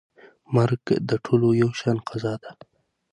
مرګ د ټولو یو شان قضا ده.